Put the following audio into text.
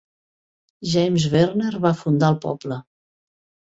James Verner va fundar el poble.